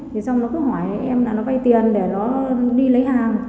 thì xong nó cứ hỏi em là nó vay tiền để nó đi lấy hàng